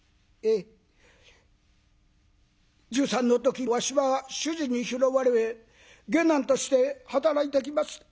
１３の時わしは主人に拾われ下男として働いてきました。